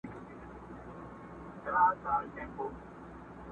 ما ته بيرته يو ځل راكه اولادونه،